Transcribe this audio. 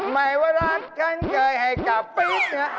ไม่ว่ารักฉันเคยให้กลับไป